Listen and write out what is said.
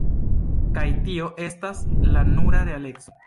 Kaj tio, estas la nura realeco.